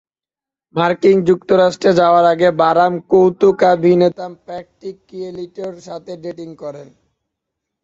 মার্কিন যুক্তরাষ্ট্রে যাওয়ার আগে, বারাম কৌতুকাভিনেতা প্যাট্রিক কিয়েলটির সাথে ডেটিং করেন।